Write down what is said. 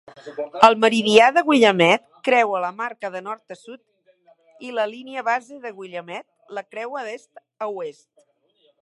El meridià de Willamette creua la marca de nord a sud i la línia base de Willamette la creua d'est a oest.